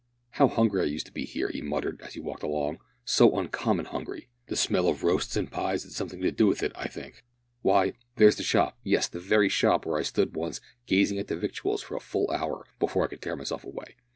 "How hungry I used to be here," he muttered as he walked along, "so uncommon hungry! The smell of roasts and pies had something to do with it, I think. Why, there's the shop yes, the very shop, where I stood once gazing at the victuals for a full hour before I could tear myself away.